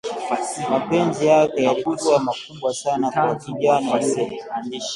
mapenzi yake yalikua makubwa sana kwa kijana yule